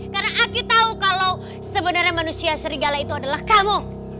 karena aku tau kalau sebenarnya manusia serigala itu adalah kamu